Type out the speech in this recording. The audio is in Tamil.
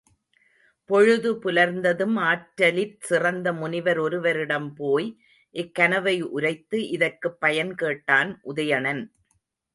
பொழுது புலர்ந்ததும் ஆற்றலிற் சிறந்த முனிவர் ஒருவரிடம் போய், இக் கனவை உரைத்து இதற்குப் பயன் கேட்டான் உதயணன்.